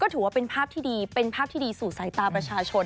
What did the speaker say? ที่ดีเป็นภาพที่ดีสู่สายตาประชาชน